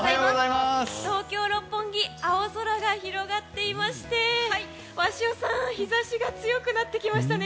東京・六本木青空が広がっていまして鷲尾さん、日差しが強くなってきましたね。